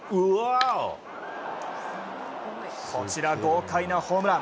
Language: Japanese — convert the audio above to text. こちら、豪快なホームラン。